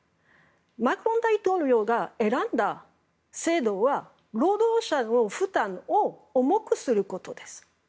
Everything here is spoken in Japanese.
マクロン大統領が選んだ制度は労働者の負担を重くすることです。